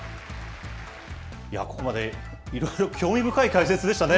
ここまでいろいろ興味深い解説でしたね。